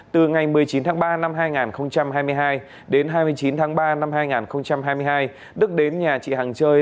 từ ngày một mươi chín tháng ba năm hai nghìn hai mươi hai đến hai mươi chín tháng ba năm hai nghìn hai mươi hai đức đến nhà chị hằng chơi